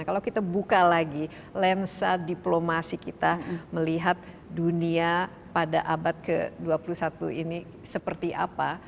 kalau kita buka lagi lensa diplomasi kita melihat dunia pada abad ke dua puluh satu ini seperti apa